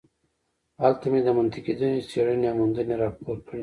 هلته مې د منتقدینو څېړنې او موندنې راپور کړې.